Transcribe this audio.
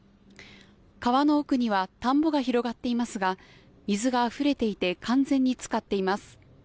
川の奥には田んぼが広がっていますが水があふれていて完全につかっています。